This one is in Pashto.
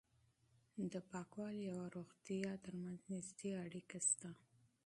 د پاکوالي او روغتیا ترمنځ نږدې اړیکه شته.